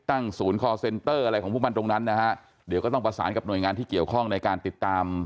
ตั้งศูนย์คอร์เซ็นเตอร์อะไรของพวกมันตรงนั้นนะฮะเดี๋ยวก็ต้องประสานกับหน่วยงานที่เกี่ยวข้องในการติดตาม